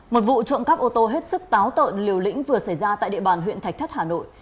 một vụ trộm cắp ô tô hết sức táo tợn liều lĩnh vừa xảy ra tại địa bàn huyện thạch thất hà nội